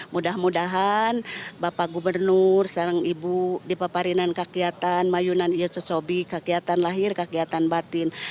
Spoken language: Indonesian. mudah mudahan bapak gubernur sarang ibu dipeparinan kakiatan mayunan iya sosobi kakiatan lahir kakiatan batin